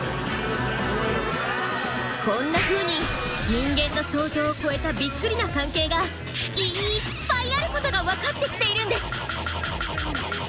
こんなふうに人間の想像を超えたびっくりな関係がいっぱいあることが分かってきているんです！